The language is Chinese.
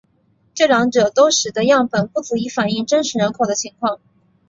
这两者都使得样本不足以反映真实人口的情况。